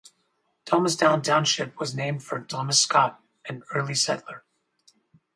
Thomastown Township was named for Thomas Scott, an early settler.